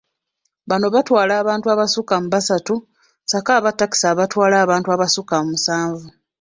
Bano batwala abantu abasukka mu basatu sako abatakisi abatwala abantu abasukka mu musanvu.